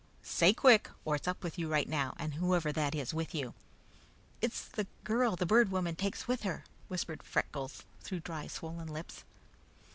"Say quick, or it's up with you right now, and whoever that is with you!" "It's the girl the Bird Woman takes with her," whispered Freckles through dry, swollen lips.